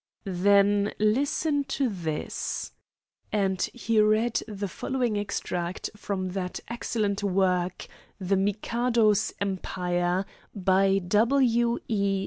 "Then listen to this," and he read the following extract from that excellent work, "The Mikado's Empire," by W.E.